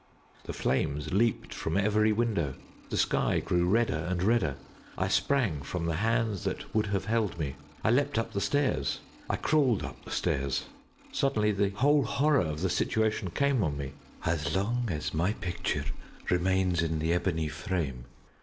The flames leaped from every window. The sky grew redder and redder. I sprang from the hands that would have held me. I leaped up the steps. I crawled up the stairs. Suddenly the whole horror of the situation came on me. "_As long as my picture remains in the ebony frame.